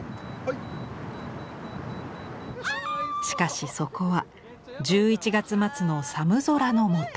しかしそこは１１月末の寒空の下。